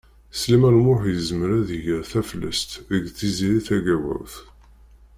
Sliman U Muḥ yezmer ad iger taflest deg Tiziri Tagawawt.